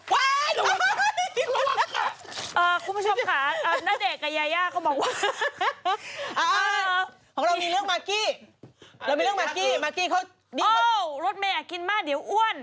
ไว้